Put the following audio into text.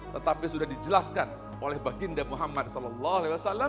tetapi sudah dijelaskan oleh baginda muhammad saw